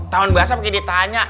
tahun basah makin ditanya